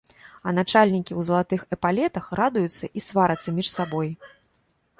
А начальнікі ў залатых эпалетах радуюцца і сварацца між сабой.